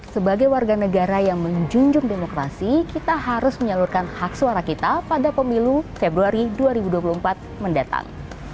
sebagai warga negara yang menjunjung demokrasi kita harus menyalurkan hak suara kita pada pemilu februari dua ribu dua puluh empat mendatang